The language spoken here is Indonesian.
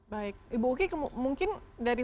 baik ibu uki mungkin dari